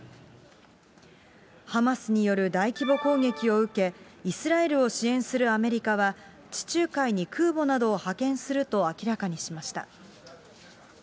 ハマスによる大規模攻撃を受け、イスラエルを支援するアメリカは、地中海に空母などを派遣すると明らかにしました。